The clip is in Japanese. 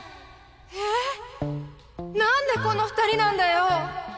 えぇなんでこの２人なんだよ！